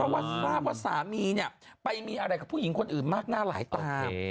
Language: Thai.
ว่าทราบว่าสามีเนี่ยไปมีอะไรกับผู้หญิงคนอื่นมากหน้าหลายตา